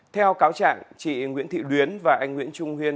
theo cáo trạng chị nguyễn thị luyến và anh nguyễn trung huyên